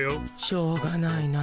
しょうがないなあ。